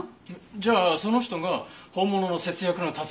じゃあその人が本物の節約の達人。